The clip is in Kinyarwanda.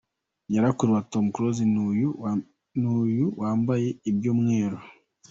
Nyirakuru wa Tom Close ni uyu wambaye iby'umweru.